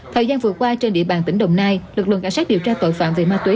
thời gian vừa qua trên địa bàn tỉnh đồng nai lực lượng cảnh sát điều tra tội phạm về ma túy